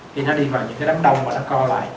thì nó đi vào những cái đám đông và nó co lại